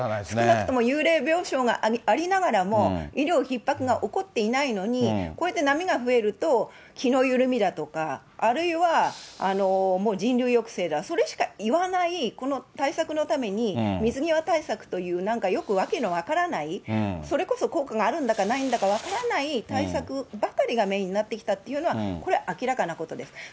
少なくとも幽霊病床がありながらも、医療ひっ迫が起こっていないのに、こうやって波が増えると気の緩みだとか、あるいはもう人流抑制だとか、それしか言わない、この対策のために水際対策という、なんかよく訳の分からないそれこそ効果があるんだかないんだか分からない対策ばっかりがメインになってきたっていうのは、これ、明らかなことです。